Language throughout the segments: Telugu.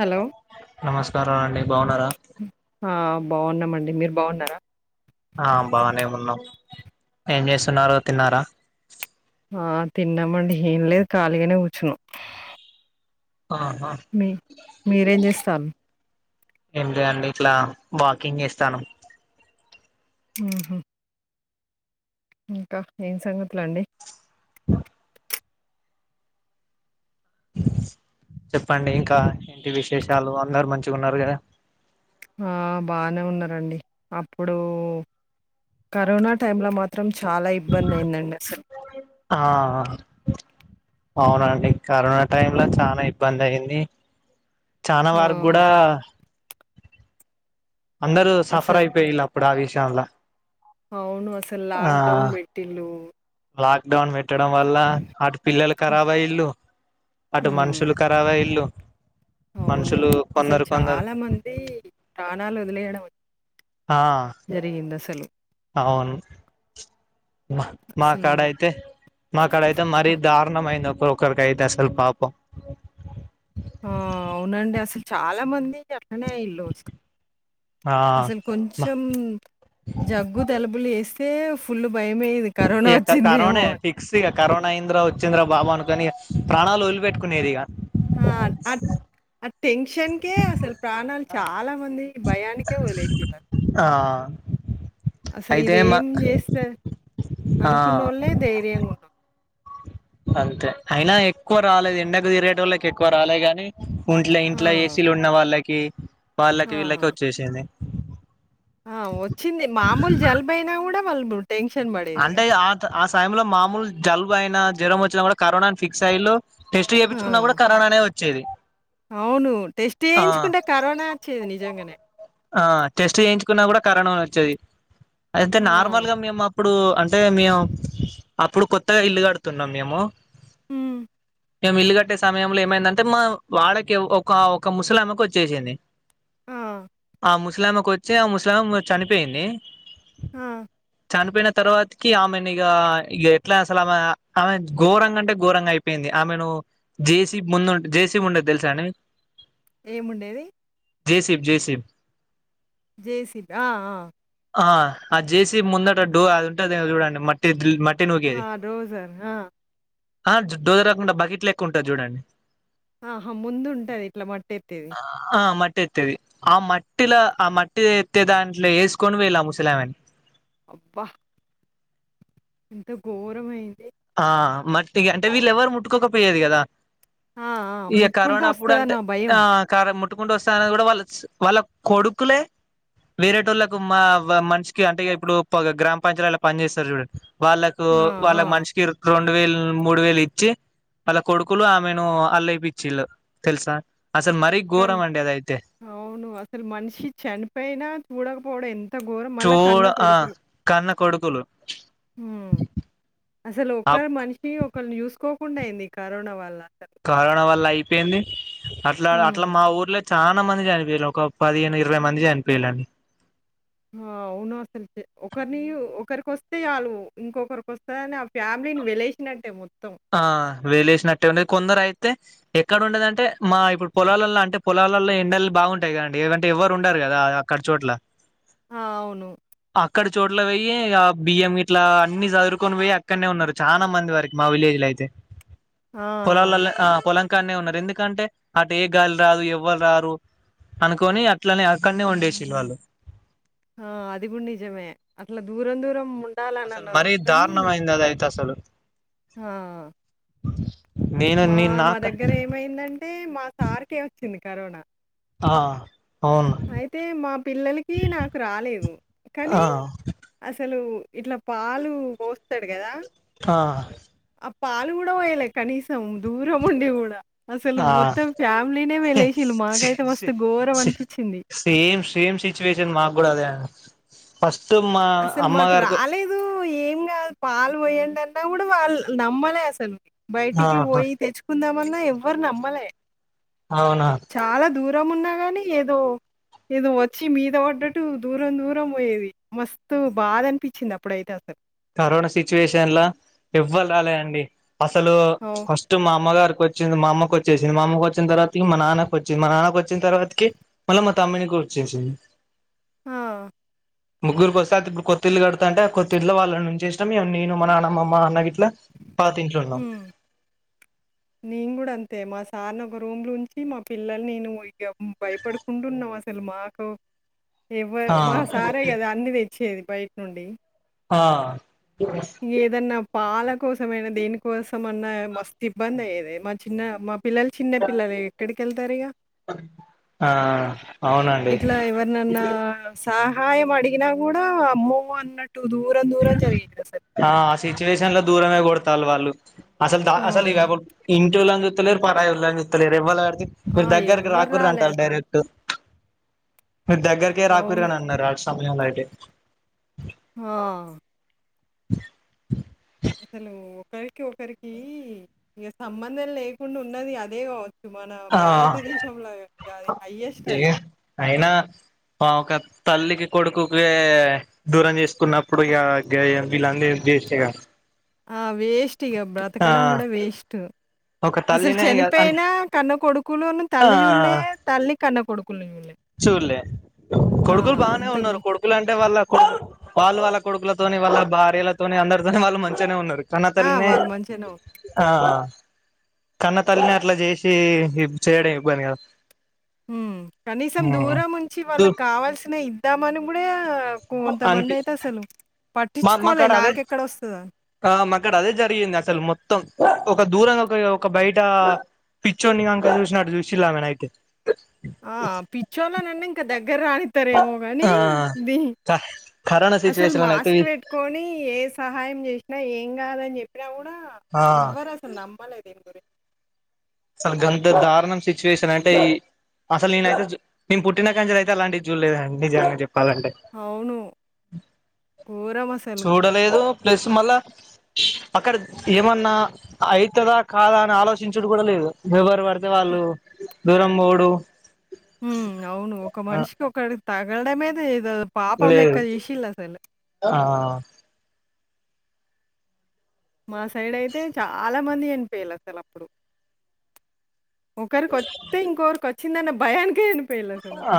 హలో నమస్కారం అండి బాగున్నారా ఆ బావున్నామండి. మీరు బావున్నారా? ఆ బానే ఉన్నాం ఏం చేస్తున్నారు తిన్నారా? ఆ తిన్నామండి ఏం లేదు ఖాళీగానే కూర్చునం ఆహా మీరేం చేస్తాళ్ళు? ఎం లేదండి అట్లా వాకింగ్ చేస్తానం ఉహు ఇంకా ఏం సంగతులండి? చెప్పండి ఇంకా ఇంటి విశేషాలు అందరు మంచిగా ఉన్నారు కదా ఆ బానే ఉన్నారండి అప్పుడు కరోనా టైమ్లా మాత్రం చాలా ఇబ్బంది అయిందండి అసలు ఆ అవునండి కరోనా టైమ్ లో చానా ఇబ్బంది అయింది. చానా ఆ వారకు కూడా అందరు సఫర్ అసలు అయిపోయిళ అప్పుడు ఆ విషయలా అవును అసలు లాక్ డౌన్ వెట్టిల్లు లాక్ డౌన్ పెట్టడం వల్ల అటు పిల్లలు కరాబయల్ళలు అటు హ్మ్ మనుషులు కరావ ఇల్లు అవును అసలు కొందరు చాలా మంది ప్రాణాలు వదిలేయడం ఆ జరిగిందస్ అవును మ్మ అసలు మాక్కడైతే మాక్కడైతే మరీ దారుణమ అయింది. ఒకరికి అయితే అసలు పాపం ఆ అవునండి అసలు చాలా మంది అట్లనే అఇల్లు ఆ అసలు కొంచెం జగ్గు తలబలు వేస్తే ఫుల్ భయమేది కరోనా ఇక కరోనే వచ్చిందేమోని ఫిక్స్ ఇక కరోనా ఏందిరా వచ్చింద్రా బాబా అనుకని ప్రాణాలు వదిలిపెట్టుకునేరు ఇగ ఆ అట్ అ టెన్ కషన్కే అసలు ప్రాణాలు చాలా మంది భయానికే వదిలేసిరు ఆ అసలు అయితే మా ఇదేం చేస్తా ఆ అనుకున్నోళ్లే దైర్యంగా ఉన్న అంతే అయినా ఎక్కువ రాలేదు ఎండకు తీరేగే టోళ్ళకి ఎక్కువ రాలే గాని ఉంట్లే ఆ! ఇంట్లో ఏసీలు ఉన్న వాళ్ళకి వాళ్ళకి ఆ! వీళ్ళకి వచ్చేసేంది. ఆ వచ్చింది మాముల్ జలుబయినా గుడా వాళ్ళు [unintelligible] టెన్షన్ పడేది ఇగ టైంలో మామూల్ జలుబయినా జ్వరం వచ్చినా కూడా కరోనాని ఫిక్స్ అయిళ్లు టెస్ట్ ఆ! చేపించుకున్న కూడా కరోనానే వచ్చేది. అవును టెస్ట్ ఆ చేయించుకుంటే కరోనా వచ్చేది నిజంగనే ఆ టెస్ట్ చేయించుకున్నా కూడా కరోనానే వచ్చేది అయితే ఆ! నార్మల్ గా మేమ్ అప్పుడు అంటే మియమ్ అప్పుడు కొత్తగా ఇల్లు కడుతున్నాం మేము హ్మ్ మేము ఇల్లు కట్టే సమయంలో ఏమైందంటే మా వాడకి ఒక ఒక ముసలామెకోచ్చేసింది ఆ ఆ ముసలామెకొచ్చి ఆ ముసలామె చనిపెయింది. ఆ తర్వాతకి ఆమెనిగ ఇగ ఎట్లా అసలామె ఆమె ఘోరంగంటే ఘోరంగా అయిపోయింది ఆమెను జేసిబ్ ముందుట్ జేసిముండే తెలుసా అండి మీకు ఏముండేది జేసిబ్ జేసిబ్ జేసిబ్ ఆ ఆ ఆ జేసీబ్ ముందట డో అది ఉంటదేమో చూడండి మట్టి మట్ ఆ రోజార్ ఆ ఆ డోజర్ కాకుండా బకెట్ లెక్క ఉంటది చూడండి. ఆహా ముందుంటది ఇట్లా మట్టి ఎత్తేది. ఆ మట్టి ఎత్తేది ఆ మట్టిలా ఆ మట్టి ఎత్తే దాంట్లో ఎసుకొని పోయిల్లు ముసలామెను అబ్బా ఎంత ఘోరమె ఆ మట్టి ఇగ అంటే వీళ్ళేవరు ముట్టుకోకపోయేది కదా ఆ! ఆ! ఇగ ముట్టుకుంటే కరోనప్పుడు వస్తదన్న అంటే భయం. ఆ కారం ముట్టుకుంటా వస్తాన్నది గుడా వాళ్ళస్ వాళ్ళ కొడుకులే వేరే టోళ్లకు మా మనిషికి అంటే ఇప్పుడు పగ గ్రామ పంచాయతిలల్ల పని చేస్తరు చూడండి. వాళ్ళకు ఆ! ఆ! వాళ్ళక్ మనిషికి రెండు వేలు మూడు వేలు ఇచ్చి వాళ్ళ కొడుకులు ఆమెను అల్లఎపిచ్చిళ్ళు తెలుసా అసలు మరీ కనీ ఘోరం అండి అదయితే అవును అసలు మనిషి చనిపోయినా చూడకపోవడేం చూడ ఆ కన్న కొడుకులు మ్మ్ అసలు ఆ ఒకరు మనిషి ఒకల్ని చూసుకోకుండయింది కరోనా వల్ల అసలు. కరోనా వల్ల అయిపోయింది అట్ల అట్ల హ్మ్. మా ఊర్లే చానా మంది చనిపోయిర్రు ఒక పదిహేను, ఇరవై మంది చనిపోయలండి. ఆ అవును అసల్కి ఒకరిని ఒకరికొస్తే చాలు ఇంకొకరికొస్తదని ఫ్యామిలీని వెలేషినట్టే మొ ఆ వేలేసినట్టే ఉండేది కొందరు అయి అయితే ఎక్కడ ఉండెదంటే మా ఇప్పుడు పొలాలల్లో అంటే పొలాలల్లో ఎండల్ బాగుంటయి కదండి లేదంటే ఎవరు ఉండరు. లేదా అది అక్కడ్ చోట్ల ఆ అవును ఇక్కడ చోట్ల పోయి ఆ బియ్యం గిట్లా అన్ని సదురుకొని పోయి అక్కడ్నే ఉన్నరు చానా మంది వరకి మా విలేజ్ ఎట్లాయితే ఆ! పొల్లాల ఆ కాన్నే ఉన్నరు ఎందుకంటే అటు ఏ గాల్ రాదు ఎవ్వల్ రారు. అనుకొని అట్లనే అక్కడ్నే వండేసిళ్ వాళ్ళు. ఆ అది గుడ్ నిజమే అట్ల దూరం దూరం ఉ అసలు మరీ దారుణమయింది అదైతే అసలు. హ నేను మా నేను మా నాక దగ్గర ఏమైందంటే మా సార్కే వచ్చింది కరోనా. ఆ అవును అయితే మా పిల్లలకి నాకు రాలేదు ఆ కనీ అసలు ఇట్లా పాలు పోస్తడు కదా ఆ పాలు కూడా పోయలే కనీసం దూరం ఉండి కూడా. అసలు ఆ మొత్తం ఫ్యామిలీనేే వెలేశిళ్ళు. మాకైతే మస్తు ఘోరం అనిపి సేమ్ సేమ్ సిచ్యువేషన్ మాకు కూడా అదే ఫస్ట్ మా అసలు మాకు అమ్మగారికి రాలేదు, ఏం కాదు పాలు పోయండి అ న్నాకూడా వాళ్ళు నమ్మలే అసలు బయటికి ఆహా పోయి తెచ్చుకుందామన్నా ఎవ్వరు నమ్మ మ్మలే అవునా దూరంఉన్నా గాని ఏదో ఏదో వచ్చి మీద పడ్డట్టు దూరం దూరం పోయేది. మస్తు బాధ అనిపిచ్చింది అప్పుడైతే అసలు. కరోనా సిచ్యువేషన్ల ఎవ్వరు రాలే అండి. అస్సలు ఓహ్! ఫస్ట్ మా అమ్మగారు కువచ్చింది మా అమ్మకు వచ్చేసింది. మా అమ్మకు వచ్చిన తర్వాత ఇగ మా నాన్నకు వచ్చింది. మా నాన్నకు వచ్చిన తర్వాతకి మళ్ళా మా తమ్మునికి వచ్చేసింది. ఆ ముగ్గురికి వస్తే అతేఇప్పుడు కొత్తిళ్లుకడుతాంటే ఆ కొత్తింట్లో వాళ్ళనుంచేశినం ఇగ నేను, మానాన్న, మాఅన్నా గిట్ల ట్ల పాతింట్ల ఉన్నం. హ్మ్. నేను కూడా అంతే మా సార్ని ఒక రూమ్లుంచి మా పిల్లలు, నేను ఇగ భయపడుకుంటున్నం. అసలు మాకు ఎవరు మా సారే కదా అన్ని తెచ్చేది బయటినుండి. ఆ ఏదన్నా పాల కోసమైనా దేనికోసం అన్నా మస్తు ఇబ్బంది అయ్యెది. మా చిన్న మా పిల్లలుచిన్నపిల్లలే ఎక్కడికి ఎళ్తారు ఇగా. ఆ అవునండి ఇట్లా ఎవరినన్నా సాహాయం అడిగినా కూడా అమ్మో అన్న ఆ ఆ సిచ్యువేషన్ల దూరమే కొడుత్ తాల్లువాళ్ళు అసలు అసలు ఆ! ఇగా ఇంటోళ్ళని చూత్తలేరు, పరాయోళ్ళని చూత్తలేరు ఎవ్వరుగాని ఆ! మీరు దగ్గరికి ఎవ్వరు రాకుల్లి రాలే అంటాల్లు అసలు. డైరెక్ట్. మీరు దగ్గరికే రాకూర్రి అవును. అని అన్నరు ఆ సమయంలో అయితే. ఆ! [inaudible] అసలు ఒకరికి ఒకరికి ఇగ సంబంధం లేకుండా ఉన్నది అదే గావ కి మన ఆ భారతదేశంలో అది హయ్యెస్ట్ ఇగ అది. అయినా ఒక తల్లికి కొడుకు కే దూరం చేసుకున్నప్పుడు ఇగ గయ్యాన్ని వీళంన్ని [unintelligible] చేశినయిగా ఆ వేస్ట్ ఇగ బ్రతకడం కూడా వేస్ట్. ఒక అసలు తల్లినే ఇగ అంటే చనిపోయినా కన్న కొడుకులను తల్లి చూల్లే, తల్లి కన్న కొడుకు చూల్లే. ఆ! కొడుకులు బానే ఎంత గు ఉన్నరు. కొడుకులు అంటే వాళ్ళ కొడుకు వాళ్ళువాళ్ళ కొడుకులతోని వాళ్ళ భార్యలతోని అందరితోని వాళ్ళు మంచిగనే ఉన్నరు. కన్న ఆ! తల్లినే వాళ్ళు మంచిగానే ఉన్నారు. ఆ కన్న తల్లినే అట్లా చేశి చేయడం ఇబ్బంది కదా. హ్ కనీసం దూరం ఉంచి దు వాళ్ళకి కావాల్సినయి ఇద్దామని కూడా కొంతమంది అనిపి అయితే అసలు మా పట్టించుకోలే మాక్కడ అదే నాకెక్కడొస్తదా? ఆ మాక్కడ అదే జరిగింది అసలు మొత్తం ఒక దూరంగా ఒక ఒక బయట పిచ్చొండి అంక చూసినట్టు చూసిలామెన అయితే ఆ పిచ్చోళనన్న ఇంకా దగ్గర రానిస్తారేమో గాని ఆ దీ కరోనా అసలు సిచ్యువేషన్ లోనైతే మాస్క్ పెట్టుకొని ఏ సహాయం చేసినా ఏం గా కాదని చెప్పినా కూడా ఆ ఎవ్వరు అసలు నమ్మలే దీని గురి అసలు గంత దారుణం సిచ్యువేషన్ అంటే ఈ అసలు నేనైతే జూ నీ పుట్టిన కాడి నుంచి అయితే అలాంటి జూలేదం నిజంగా చెప్ప పాలంటే అవును. ఘోరమసలు. చూడలేదు ప్లస్ మళ అక్కడ ఏమన్నా అవుతుందా కాదా అని ఆలోచించుడు కూడా లేదు ఎవరు పడితే వాళ్ళు దూరం పోడు ఉ అవును ఒక మనిషికి ఒకడికి తగలడమే ది ఏదో పాపం లెక్క చేసిల్లో అసలు బ మా సైడ్ అయితే చాలా మంది చనిపోయిలు అసలు అప్పుడు ఒకరికిొస్తే ఇంకొరికి వచ్చిందన్న భయానికే చ ఆ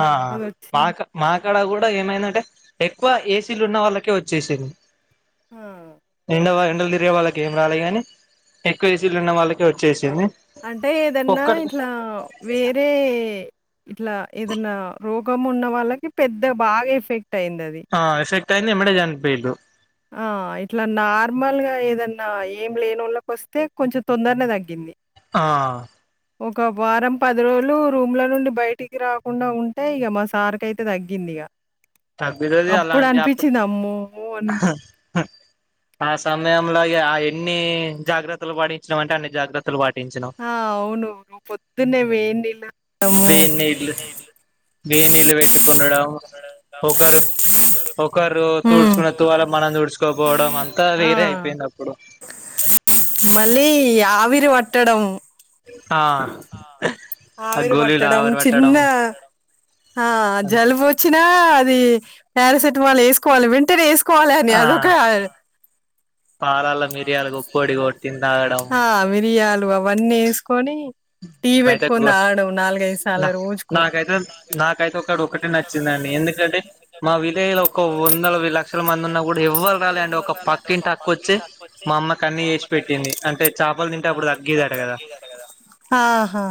మాక మాక్కడ కూడా ఏమైందంటే ఎక్కువ ఏసీలు ఉన్న వాళ్ళకే వచ్చేసింది ఆ! నిన్నవా ండలు తిరిగే వాళ్ళకి ఏం రాలే గాని ఎక్కువ ఏసీలు ఉన్న వాళ్ళకే వచ్చేసింది అంటే ఏదన్నా ఒక్కటి ఇట్లా వేరే ఇట్లా ఏదనా రోగం ఉన్న వాళ్ళకి పెద్ద బాగా ఎఫెక్ట్ అయింది అది టాయింది ఎమడే చనిపోయిల్లు ఆ ఇట్లా నార్మల్గా ఏదన్నా ఏం లేని వాళ్ళకి వస్తే కొంచెం తొందరనే తగ్గింది ఆ ఒక వారం పది రోజులు రూమ్ల నుండి బయటికి రాకుండా ఉంటే ఇక మా సార్కి అయితే తగ్గింది ఇగా తగ్గుతది అప్పుడు అలాంటి అనిపించింది అమ్మో అని హ ఆ సమయంంలో ఇగ ఆ ఎన్ని జాగ్రత్తలు పాడించడం అంటే అన్ని జాగ్రత్తలు పాటి ఆ అవును పొద్దునేే వేడి నీళ్లు వే నీళ్లు వే నీళ్లుు పెట్టుకునడం ఒకరు ఒకరు హ్మ్. తుడుచుకున్న తువాలా మనం తుడ్చుకోపోవడం అంతా వేరే అయిపోయింది అప్పుడు మళ్లీ ఆవిరి పట్టడంం ఆ ఆ ఆవిరి గోలీలు పట్టడం ఆవిరి పట్టడం చిన్న ఆ జలుబు వచ్చినా అది పారాసెటమాల్ వేసుకోవాలి వింటనే వేసుకోవాలి అని ఆ అదొక పారాల పాలల్ల మిరియాలు పొడి మిరియాల కొట్టి పొడి కొట్టు తాగడం హా వే దు అవన్నీ వేసుకొని టీ పెట్ మేమైతే కొని గో తాగడం నాలుగైదు నా సార్ల రోజుకు నాకైతే నాకైతే ఒకటి ఒకటే నాకైతే ఒకటే నచ్చిందండి ఎందుకంటే నచ్చిందండి ఏంది కంటే మా విలేజ్ లో మా వీదే ఒక వందల లక్షల వందల మంది ఉన్నా లక్షల కూడా మందిన్నా ఎవ్వరు కూడా రాలే అండి ఎవరు ఒక రాలే అంటే ఒక పక్కింటి అక్క పక్క వచ్చి ఇంటి అక్క వచ్చి మా అమ్మకు అన్ని మా అమ్మ చేసి కి అన్ని పెట్టింది చేసి అంటే పెట్టింది చేపలు అంటే తింటే అప్పుడు చాపలు తింటే తగ్గేదట అప్పుడు కదా తగ్గిద్ది కదా ఆహా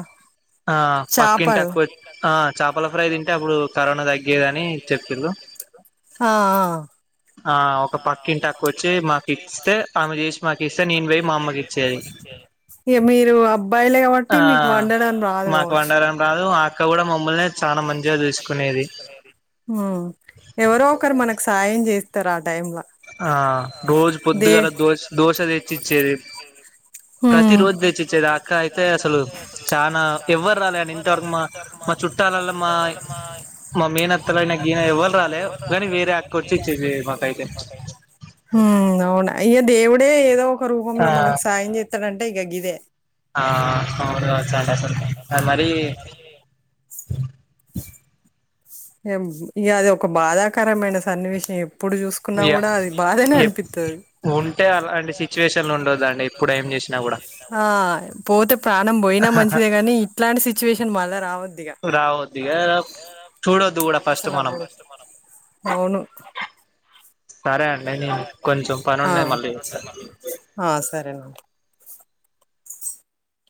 ఆ పక్కింటి చాపలు. కోచ్ ఆ చేపల ఫ్రై తింటే అప్పుడు కరోనా తగ్గేదని చెప్పిళు ఆ ఆ ఆ ఒక పక్కింటిక్కు వచ్చి మాకు ఇస్తే ఆమె చేసి మాకి ఇస్తే నేను పోయి మా అమ్మకి ఇచ్చేది య ఇగ మీరు అబ్బాయిలే కాబట్టి ఆ మీకు వండడం రాదు మాకు కావచ్చు. వండడం రాదు ఆ అక్క కూడా మమ్మల్నే చాలా మంచిగా చూసుకునేది హ్మ్. ఎవరో ఒకరు మనకు సాయం చేస్తారు ఆ టైమ్ లో ఆ రోజు పొద్దుగాల దోశ దోశ తెచ్చి ఇచ్చేది ప్రతి హ్మ్. రోజు తెచ్చి ఇచ్చేది ఆ అక్క అయితే అసలు చ చాలా ఎవరు రాలే మా చుట మా చుట్టాలలో మా మా మేనత్తలు గీన ఎవ్వరు రాలే కానీ వేరే అక్క వచ్చి ఇచ్చే మాకు అయితే ఉమ్ అవునా ఇయక దేవుడే ఏదో ఒక రూపంలో ఆ మనకు సాయం చేస్తాడంటడి టా గిదే ఆ అవును గవచ్చు చాలా మరి ఇ అది ఒక బాధాకరమైన సన్నివేశం ఇప్పుడు చూసుకున్నా ఇగ కూడా అది బాధేనే ఎప్ అనిపిస్తాతాది ఉంటే అలాంటి సిచ్యువేషన్లు ఉండొద్దండి ఇప్పుడు ఏం చేసినా కూడా పోతే ప్రాణం పోయి యినా మంచిదే కాగానీ ఇలాంటి సిచువేషన్ మళ్ళా రా రావద్దు ఇక అస్సల అవును సరే అండి నేను కొంచెం పని ఆ ఉన్నది మళ్ళీ చేస్తా ఆ సరేనండి